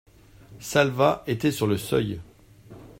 Salvat était sur le seuil.